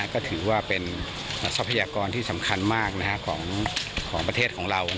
ก็ถือว่าเป็นทรัพยากรที่สำคัญมากของประเทศของเรา